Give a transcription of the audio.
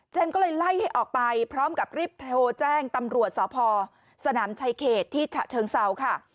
ก็เลยไล่ให้ออกไปพร้อมกับรีบโทรแจ้งตำรวจสพสนามชายเขตที่ฉะเชิงเซาค่ะ